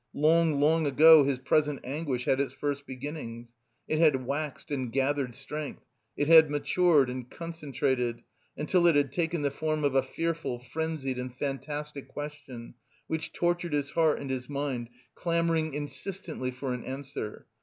Long, long ago his present anguish had its first beginnings; it had waxed and gathered strength, it had matured and concentrated, until it had taken the form of a fearful, frenzied and fantastic question, which tortured his heart and mind, clamouring insistently for an answer.